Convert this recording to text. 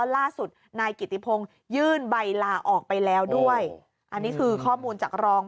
ล่าสุดนายกิติพงศ์ยื่นใบลาออกไปแล้วด้วยอันนี้คือข้อมูลจากรอง